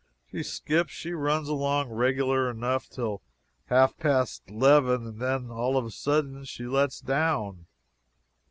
She skips; she runs along regular enough till half past eleven, and then, all of a sudden, she lets down.